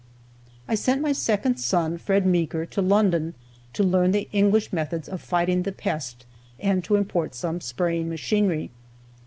I sent my second son, Fred Meeker, to London to learn the English methods of fighting the pest and to import some spraying machinery.